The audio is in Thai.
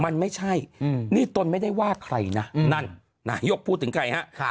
มันไม่ใช่นี่ตนไม่ได้ว่าใครนะนั่นนายกพูดถึงใครฮะ